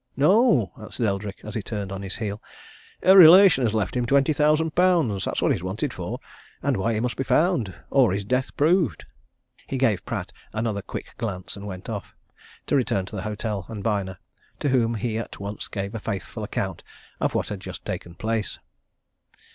"No," answered Eldrick, as he turned on his heel. "A relation has left him twenty thousand pounds. That's what he's wanted for and why he must be found or his death proved." He gave Pratt another quick glance and went off to return to the hotel and Byner, to whom he at once gave a faithful account of what had just taken place.